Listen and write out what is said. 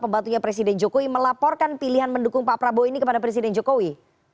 pembatunya presiden jokowi melaporkan pilihan mendukung pak prabowo ini kembali ke jokowi